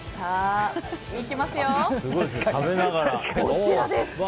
こちらです。